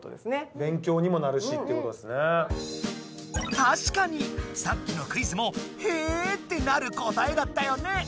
たしかにさっきのクイズもへえってなる答えだったよね！